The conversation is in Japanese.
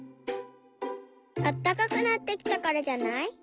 あったかくなってきたからじゃない？